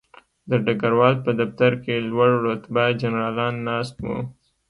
د ډګروال په دفتر کې لوړ رتبه جنرالان ناست وو